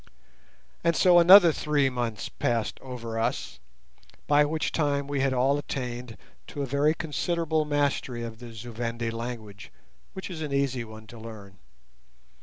And so another three months passed over us, by which time we had all attained to a very considerable mastery of the Zu Vendi language, which is an easy one to learn.